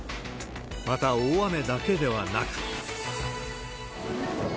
また大雨だけではなく。